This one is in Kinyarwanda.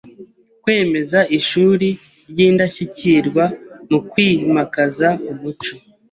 Kwemeza ishuri ry’indashyikirwa mu kwimakaza umuco